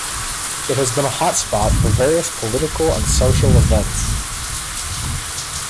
It has been a hot spot for various political and social events.